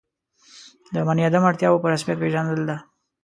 د بني آدم اړتیاوو په رسمیت پېژندل ده.